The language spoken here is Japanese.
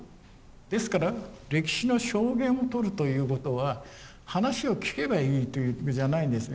ですから歴史の証言を取るということは話を聞けばいいということじゃないんですね。